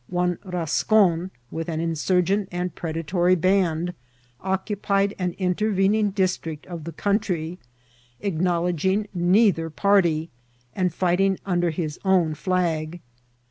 One Rascon, with an insui^ent and predatory band, occiq»ed an intervening district of country, acknowledging neither party, and fighting mi» der hit own flag.